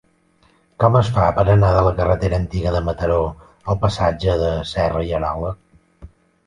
Com es fa per anar de la carretera Antiga de Mataró al passatge de Serra i Arola?